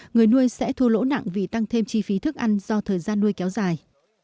người nuôi sẽ thua lỗ nặng vì tăng thêm chi phí thức ăn do thời gian nuôi kéo dài